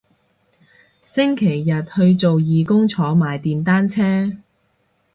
星期日去做義工坐埋電單車